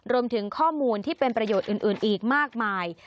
รวมถึงข้อมูลที่เป็นประโยชน์อื่นอีกมากมาย